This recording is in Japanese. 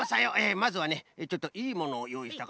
まずはねちょっといいものをよういしたから。